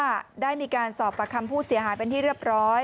ได้มีการสอบประคำผู้เสียหายเป็นที่เรียบร้อย